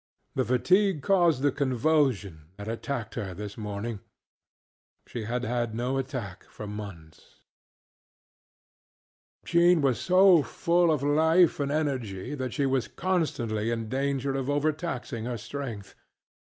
The fatigue caused the convulsion that attacked her this morning. She had had no attack for months. Jean was so full of life and energy that she was constantly in danger of overtaxing her strength.